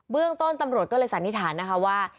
เรื่องต้นตำรวจก็เลยสันนิษฐานนะคะว่า